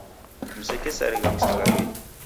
Msekesarigha msangaghenyi